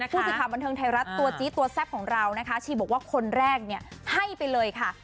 ผู้สื่อข่าวบันเทิงไทยรัฐตัวจี๊ตัวแซ่บของเรานะคะชีบอกว่าคนแรกเนี่ยให้ไปเลยค่ะ